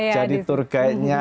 jadi tour guide nya